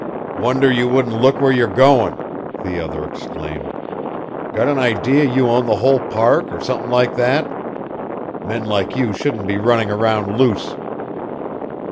"Wonder you wouldn't look where you're going!" the other exclaimed. "Got an idea you own the whole Park, or something like that? Men like you shouldn't be running around loose!"